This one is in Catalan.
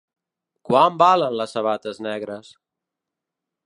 Quant valen les sabates negres?